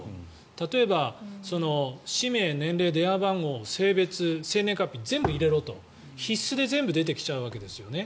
例えば、氏名、年齢電話番号、性別、生年月日全部入れろと、必須で全部出てきちゃうわけですよね。